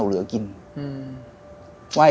ผมเรื่องว่า